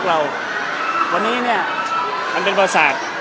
เราวันนี้เนี่ยมันเป็นประสาท